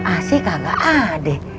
ac kagak ada